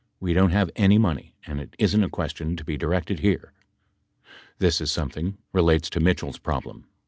We don't have any money, and it isn't a question to be directed here. This is something relates to Mitchell's problem.